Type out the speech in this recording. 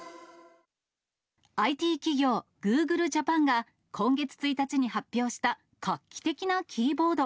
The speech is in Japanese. ＩＴ企業、ＧｏｏｇｌｅＪａｐａｎが、今月１日に発表した画期的なキーボード。